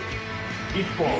１本？